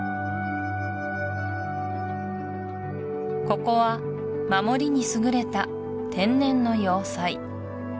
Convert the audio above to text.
ここは守りに優れた天然の要塞